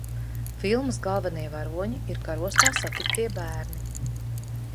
Filmas galvenie varoņi ir Karostā satikti bērni.